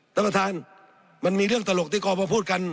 ท่านประธานมันมีเรื่องตลกที่เขามาพูดกัน